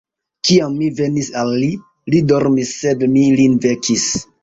Kiam mi venis al li, li dormis; sed mi lin vekis.